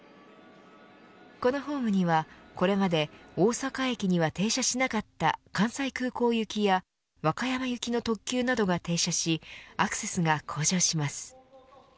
このホームにはこれまで大阪駅には停車しなかった関西空港行きや和歌山行きの特急などが停車しアクセスが向上します。